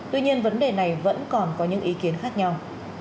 tuy nhiên vấn đề này vẫn còn có những ý kiến khác nhau